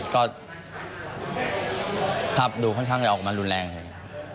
ก็ภาพดูค่อนข้างจะออกมารุนแรงเลย